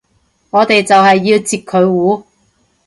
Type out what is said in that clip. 我哋就係要截佢糊